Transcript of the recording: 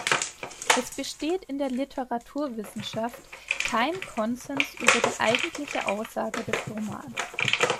Es besteht in der Literaturwissenschaft kein Konsens über die eigentliche Aussage des Romans.